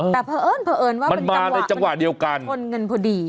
แต่เผอิญเผอิญว่ามันมาในจังหวะเดียวกันชนกันพอดี